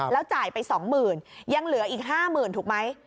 แล้วจ่ายไป๒๐๐๐๐บาทยังเหลืออีก๕๐๐๐๐บาทถูกมั้ย